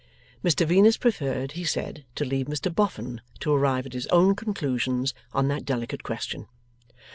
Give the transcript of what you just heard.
Mr Venus preferred, he said, to leave Mr Boffin to arrive at his own conclusions on that delicate question.